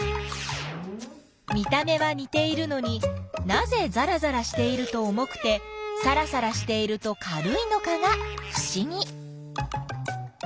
見た目はにているのになぜざらざらしていると重くてさらさらしていると軽いのかがふしぎ。